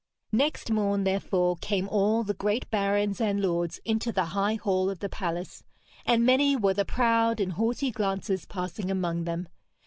Next morn, therefore, came all the great barons and lords into the high hall of the palace, and many were the proud and haughty glances passing among them.